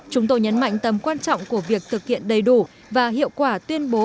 chúng tôi nhấn mạnh tầm quan trọng của việc thực hiện đầy đủ và hiệu quả tuyên bố